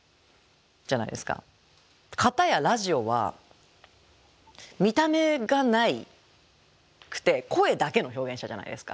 片やラジオは見た目がなくて声だけの表現者じゃないですか。